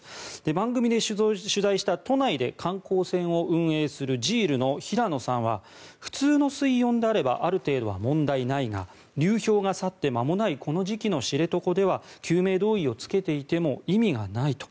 番組で取材した都内で観光船を運営するジールの平野さんは普通の水温であればある程度は問題ないが流氷が去って間もないこの時期の知床では救命胴衣を着けていても意味がないと。